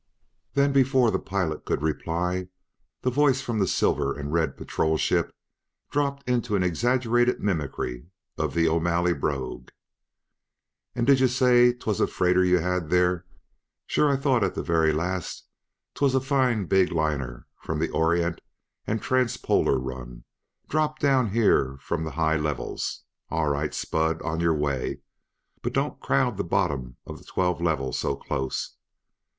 Then, before the pilot could reply, the voice from the silver and red patrol ship dropped into an exaggerated mimicry of the O'Malley brogue "And did yez say 'twas a freighter you had there? Sure, I thot at th' very last 'twas a foine big liner from the Orient and Transpolar run, dropped down here from the hoigh livils! All right, Spud; on your way! But don't crowd the bottom of the Twelve Level so close.